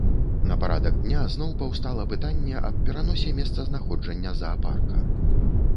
На парадак дня зноў паўстала пытанне аб пераносе месцазнаходжання заапарка.